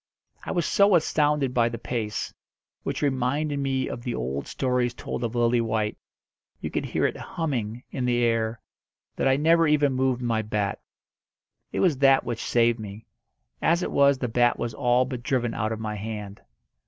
I was so astounded by the pace which reminded me of the old stories told of Lillywhite; you could hear it "humming" in the air that I never even moved my bat. It was that which saved me. As it was the bat was all but driven out of my hand.